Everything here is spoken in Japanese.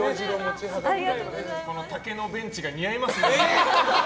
竹のベンチが似合いますね。